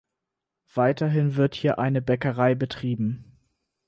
Weiterhin wird hier eine Bäckerei betrieben.